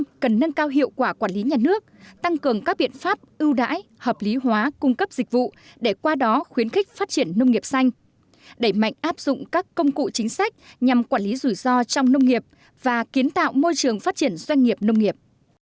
các doanh nghiệp cần nâng cao hiệu quả quản lý nhà nước tăng cường các biện pháp ưu đãi hợp lý hóa cung cấp dịch vụ để qua đó khuyến khích phát triển nông nghiệp xanh đẩy mạnh áp dụng các công cụ chính sách nhằm quản lý rủi ro trong nông nghiệp và kiến tạo môi trường phát triển doanh nghiệp nông nghiệp